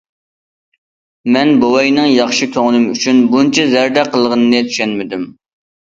مەن بوۋاينىڭ ياخشى كۆڭلۈم ئۈچۈن بۇنچە زەردە قىلغىنىنى چۈشەنمىدىم.